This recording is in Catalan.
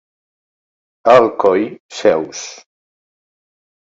A Alcoi, xeus.